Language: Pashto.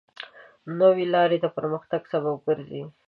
نوې لارې د پرمختګ سبب ګرځي.